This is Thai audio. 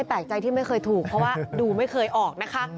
แปลกใจที่ไม่เคยถูกเพราะว่าดูไม่เคยออกนะคะ